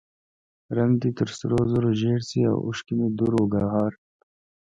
رنګ دې تر سرو زرو زیړ شي او اوښکې مې دُر و ګوهر.